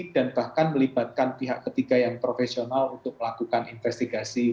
dan bahkan melibatkan pihak ketiga yang profesional untuk melakukan investigasi forensik